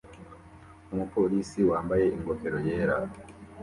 Umupolisi wambaye ingofero yera